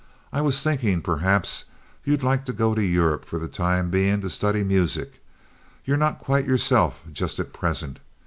I was thinkin', perhaps, ye'd like to go to Europe for the time bein' to study music. Ye're not quite yourself just at present.